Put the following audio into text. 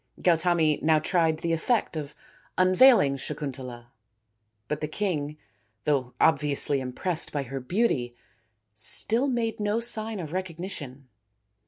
" Gautami now tried the effect of unveiling Sakun tala, but the king, though obviously impressed by her beauty, still made no sign of recognition.